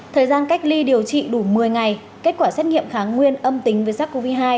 thời gian cách ly điều trị đủ một mươi ngày kết quả xét nghiệm kháng nguyên âm tính với sars cov hai